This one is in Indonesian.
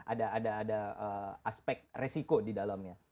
ada aspek resiko di dalamnya